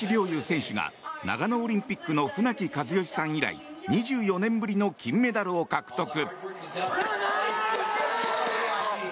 侑選手が長野オリンピックの船木和喜さん以来２４年ぶりの金メダルを獲得。